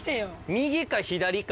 右か左か。